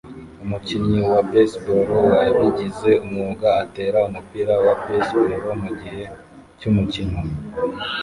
Umukinnyi wa baseball wabigize umwuga atera umupira wa baseball mugihe cyumukino